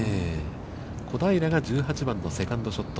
小平が、１８番のセカンドショット。